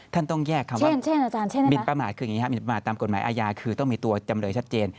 ท่านต้องแยกคำว่าหมินประหลาดตามกฎหมายอาญาคือต้องมีตัวจำเลยชัดเจน